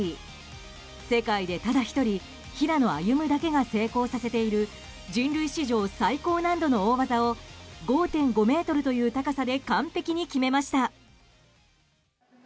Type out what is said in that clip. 世界でただ１人平野歩夢だけが成功させている人類史上最高難度の大技を５．５ｍという高さで完璧に決めました。